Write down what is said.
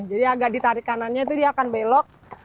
jadi agak ditarik kanannya tuh dia akan belok